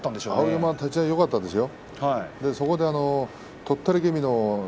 碧山立ち合いよかったですよ。